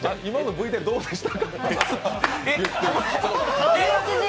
ＶＴＲどうでした？